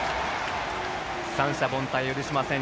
三者凡退は許しません。